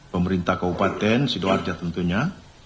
pemerintah kabupaten sidoarjo tentunya